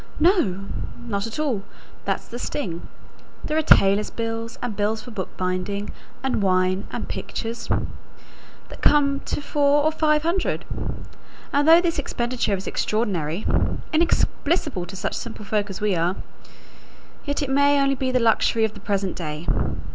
"No! not at all. That's the sting. There are tailors' bills, and bills for book binding and wine and pictures those come to four or five hundred; and though this expenditure is extraordinary inexplicable to such simple folk as we are yet it may be only the luxury of the present day.